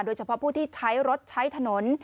โดยเฉพาะผู้ที่ใช้รถใช้ถนน